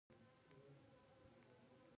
افغانستان کې آب وهوا د هنر په اثار کې دي.